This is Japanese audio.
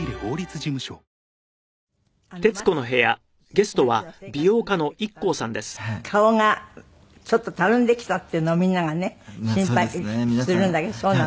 マスクなしの生活になってきたので顔がちょっとたるんできたっていうのをみんながね心配するんだけどそうなの？